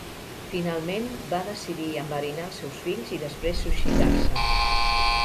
Finalment va decidir enverinar els seus fills i després suïcidar-se.